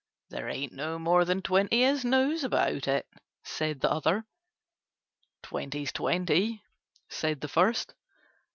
"There ain't no more than twenty as knows about it," said the other. "Twenty's twenty," said the first.